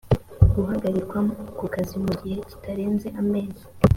guhagarikwa ku kazi mu gihe kitarenze amezi